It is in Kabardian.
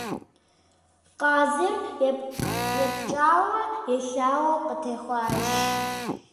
Къазыр епкӏауэ-елъауэу къытехуащ.